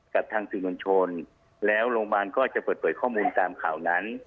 กับทางสื่อมวลชนแล้วโรงพยาบาลก็จะเปิดเผยข้อมูลตามข่าวนั้น